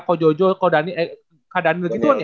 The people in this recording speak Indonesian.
kak jojo kak daniel gituan ya